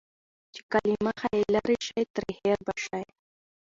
چې که له مخه يې لرې شوې، ترې هېر به شې.